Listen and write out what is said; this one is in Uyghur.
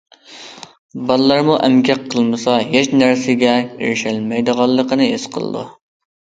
بالىلارمۇ ئەمگەك قىلمىسا ھېچ نەرسىگە ئېرىشەلمەيدىغانلىقىنى ھېس قىلىدۇ.